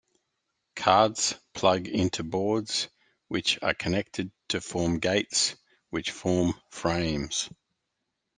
Cards plug into boards which are connected to form gates which form frames.